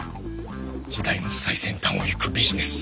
時代の最先端を行くビジネス。